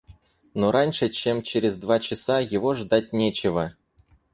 Но раньше, чем через два часа, его ждать нечего.